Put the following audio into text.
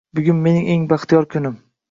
Bugun mening eng baxtiyor kunim.